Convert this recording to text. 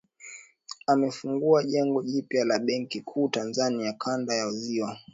Amefungua jengo jipya la benki kuu Tanzania kanda ya ziwa